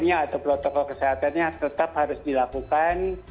tiga m nya atau protokol kesehatannya tetap harus dilakukan